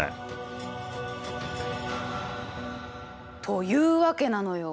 というわけなのよ。